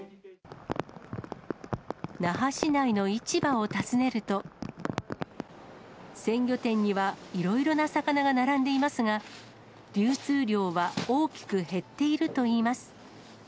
那覇市内の市場を訪ねると、鮮魚店にはいろいろな魚が並んでいますが、流通量は大きく減っているといいます。